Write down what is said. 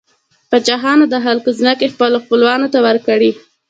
پاچاهانو د خلکو ځمکې خپلو خپلوانو ته ورکړې.